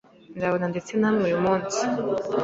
Nzabona ndetse nawe umunsi umwe.